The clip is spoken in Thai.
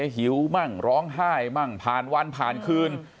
หิวมั่งร้องไห้มั่งผ่านวันผ่านคืน